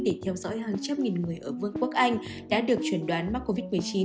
để theo dõi hàng trăm nghìn người ở vương quốc anh đã được chuẩn đoán mắc covid một mươi chín